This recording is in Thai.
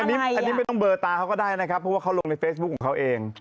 อันนี้ไม่ต้องเบอร์ตาเขาก็ได้นะครับเพราะว่าเขาลงในเฟซบุ๊คของเขาเอง